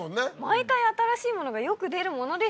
毎回新しいものがよく出るものですよね。